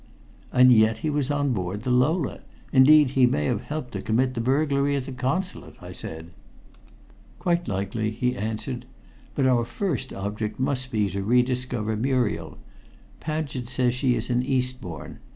"And yet he was on board the Lola. Indeed, he may have helped to commit the burglary at the Consulate," I said. "Quite likely," he answered. "But our first object must be to rediscover Muriel. Paget says she is in Eastbourne.